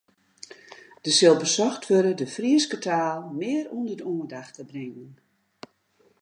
Der sil besocht wurde de Fryske taal mear ûnder de oandacht te bringen.